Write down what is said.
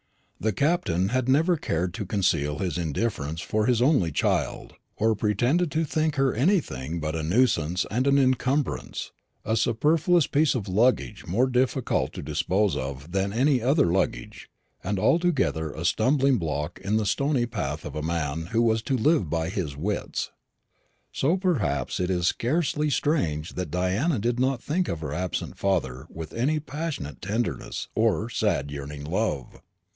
The Captain had never cared to conceal his indifference for his only child, or pretended to think her anything but a nuisance and an encumbrance a superfluous piece of luggage more difficult to dispose of than any other luggage, and altogether a stumbling block in the stony path of a man who has to live by his wits. So perhaps it is scarcely strange that Diana did not think of her absent father with any passionate tenderness or sad yearning love.